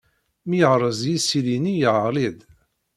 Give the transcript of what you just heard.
Mi yerreẓ yisili-nni, yeɣli-d.